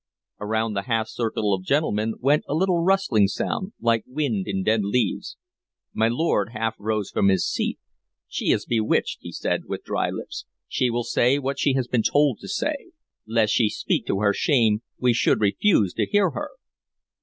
Around the half circle of gentlemen went a little rustling sound, like wind in dead leaves. My lord half rose from his seat. "She is bewitched," he said, with dry lips. "She will say what she has been told to say. Lest she speak to her shame, we should refuse to hear her."